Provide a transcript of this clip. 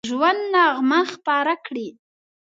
د ژوند نغمه خپره کړي